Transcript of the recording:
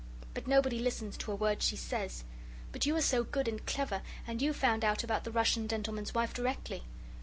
But nobody listens to a word she says, but you are so good and clever, and you found out about the Russian gentleman's wife directly.